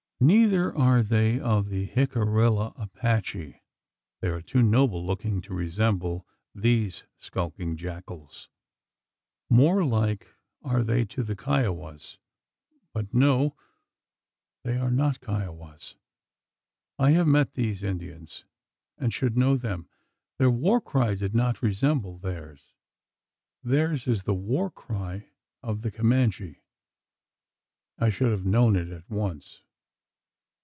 Neither are they of the Jicarilla Apache: they are too noble looking to resemble these skulking jackals. More like are they to the Cayguas? But no they are not Cayguas. I have met these Indians, and should know them. The war cry did not resemble theirs. Theirs is the war cry of the Comanche. I should have known it at once.